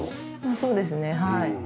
そうですねはい。